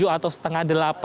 tujuh atau setengah delapan